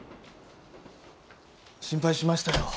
心配しましたよ。